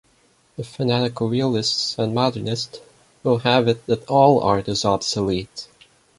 The fanatical realists and modernists will have it that all art is obsolete.